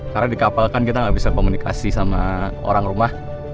karena di kapal kan kita gak bisa komunikasi sama orang rumah